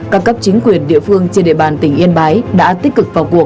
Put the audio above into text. các cấp chính quyền địa phương trên địa bàn tỉnh yên bái đã tích cực vào cuộc